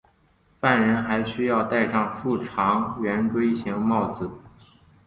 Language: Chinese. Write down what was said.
犯人还需要戴上竖长圆锥形帽子。